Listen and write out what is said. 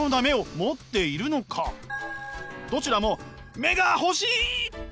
どちらも目が欲しい！と願い